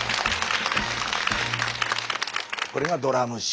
これがドラム式。